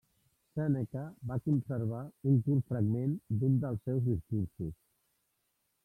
Sèneca va conservar un curt fragment d'un dels seus discursos.